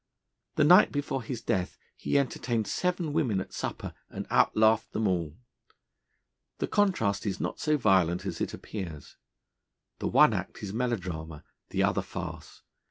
The night before his death he entertained seven women at supper, and outlaughed them all. The contrast is not so violent as it appears. The one act is melodrama, the other farce.